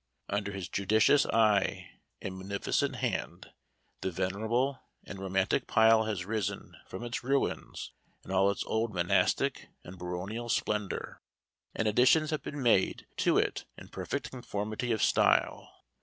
Under his judicious eye and munificent hand the venerable and romantic pile has risen from its ruins in all its old monastic and baronial splendor, and additions have been made to it in perfect conformity of style.